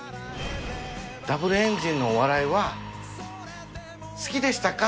Ｗエンジンのお笑いは好きでしたか？